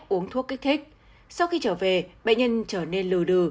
uống thuốc kích thích sau khi trở về bệnh nhân trở nên lừ lừ